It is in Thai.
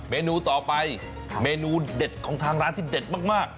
เมนูต่อไปเมนูเด็ดของทางร้านที่เด็ดมาก